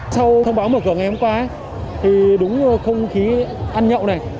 sau thông báo mở cửa ngày hôm qua thì đúng không khí ăn nhậu này